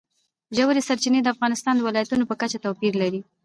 ژورې سرچینې د افغانستان د ولایاتو په کچه توپیر لري.